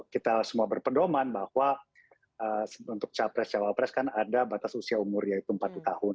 kita semua berpedoman bahwa untuk capres cawapres kan ada batas usia umur yaitu empat puluh tahun